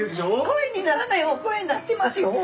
声にならないお声になってますよ。